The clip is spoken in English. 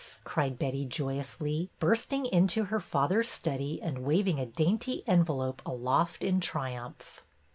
'' cried Betty, joyously, bursting into her father's study and waving a dainty envelope aloft in triumph.